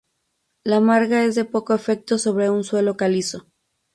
La marga es de poco efecto sobre un suelo calizo.